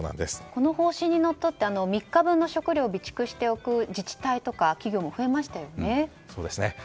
この方針にのっとって３日分の食料を備蓄しておく自治体や企業も増えましたよね。